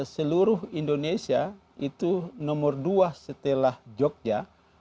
seluruh indonesia itu nomor dua setelah jogja